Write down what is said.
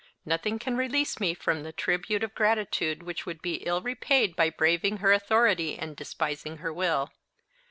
Nothing can release me from the tribute of gratitude which would be ill repaid by braving her authority and despising her will.